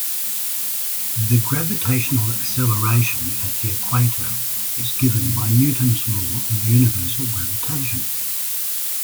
The "gravitational acceleration" at the equator is given by Newton's law of universal gravitation.